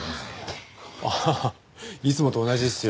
ああいつもと同じですよ。